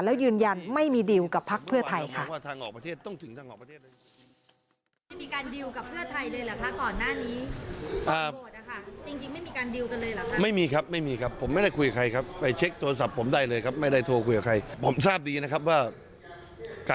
แล้วยืนยันไม่มีดิวกับพักเพื่อไทยค่ะ